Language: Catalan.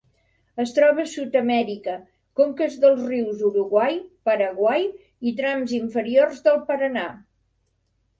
Es troba a Sud-amèrica: conques dels rius Uruguai, Paraguai i trams inferiors del Paranà.